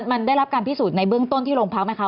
มันได้รับการพิสูจน์ในเบื้องต้นที่โรงพักไหมคะ